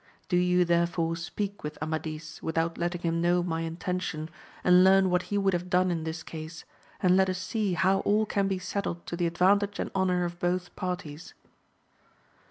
Do you, therefore, speak with Amadis, without letting him know my intention, and learn what he would have done in this case, and let us see how all can be settled to the advantage and honour of both parties.